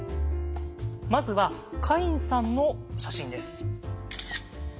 まずはカインさんの写真です。